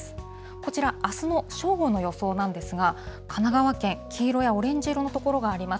こちら、あすの正午の予想なんですが、神奈川県、黄色やオレンジ色の所があります。